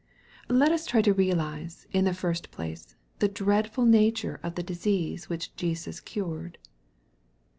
Let us try to realize, in the first place, the dreadful nature of the disease which Jesus cured.